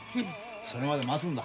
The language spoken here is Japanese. それまで待つんだ。